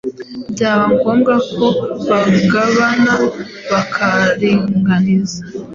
byaba ngombwa ko bagabana bakaringaniza.